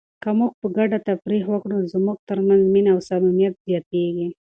که موږ په ګډه تفریح وکړو نو زموږ ترمنځ مینه او صمیمیت زیاتیږي.